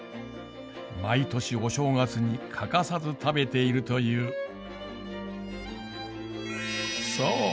毎年お正月に欠かさず食べているというそう！